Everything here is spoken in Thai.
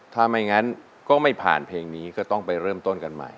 ถ้าไม่งั้นก็ไม่ผ่านเพลงนี้ก็ต้องไปเริ่มต้นกันใหม่